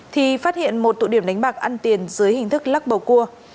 thì phát hiện một tụ điểm đánh bạc ăn tiền dưới hình thức lắc bầu cua